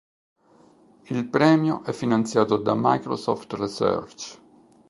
Il premio è finanziato da Microsoft Research.